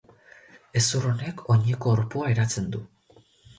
Hezur honek, oineko orpoa eratzen du.